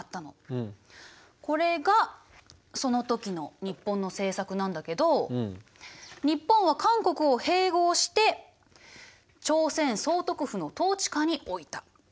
これがその時の日本の政策なんだけど日本は韓国を併合して朝鮮総督府の統治下に置いた。